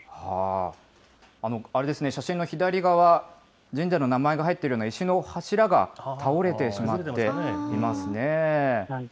あれですね、写真の左側、神社の名前が入っているような石の崩れていますね。